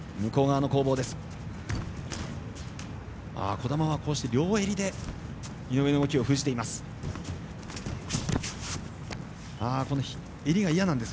児玉は両襟で井上の動きを封じています。